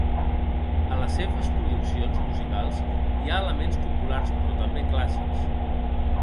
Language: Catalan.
A les seves produccions musicals hi ha elements populars, però també clàssics.